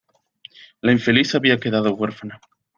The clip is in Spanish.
La infeliz había quedado huérfana.